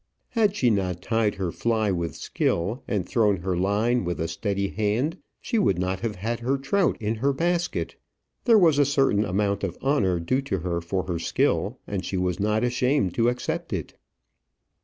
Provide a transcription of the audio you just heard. Had she not tied her fly with skill, and thrown her line with a steady hand, she would not have had her trout in her basket. There was a certain amount of honour due to her for her skill, and she was not ashamed to accept it.